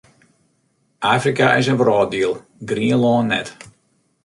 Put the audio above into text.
Afrika is in wrâlddiel, Grienlân net.